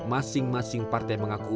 masing masing partai mengaku